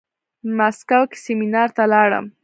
مسکو کې سيمينار ته لاړم.